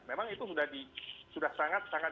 memang itu sudah sangat